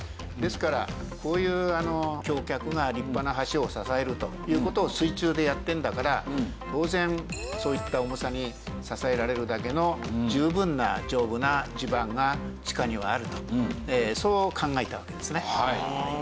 ですからこういう橋脚が立派な橋を支えるという事を水中でやってるんだから当然そういった重さを支えられるだけの十分な丈夫な地盤が地下にはあるとそう考えたわけですね。